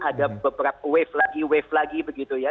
ada beberapa wave lagi wave lagi begitu ya